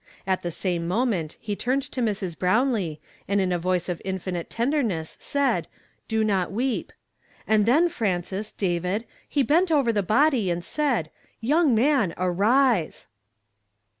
At the same moment he turned to Mi s. Brownlee, and in a voice of infinite tenderness said, ' Do not weep.' And then, Frances, David, he bent over the body and said, ' Young man, arise.'